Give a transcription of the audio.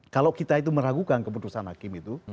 kalau kita itu meragukan keputusan hakim itu